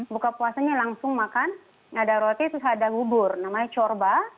buka puasanya langsung makan ada roti terus ada hubur namanya corba